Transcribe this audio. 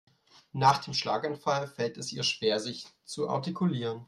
Nach dem Schlaganfall fällt es ihr schwer sich zu artikulieren.